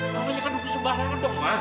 mama jahat untuk semua orang dong ma